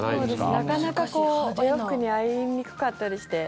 なかなかお洋服に合いにくかったりして。